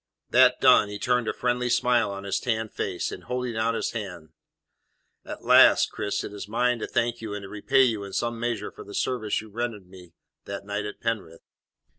That done, he turned a friendly smile on his tanned face and holding out his hand: "At last, Cris, it is mine to thank you and to repay you in some measure for the service you rendered me that night at Penrith."